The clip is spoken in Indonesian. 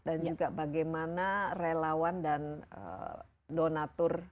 dan juga bagaimana relawan dan donatur